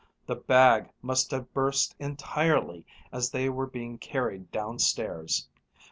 The bag must have burst entirely as they were being carried downstairs.